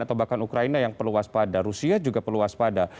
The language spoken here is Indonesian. atau bahkan ukraina yang perlu waspada rusia juga perlu waspada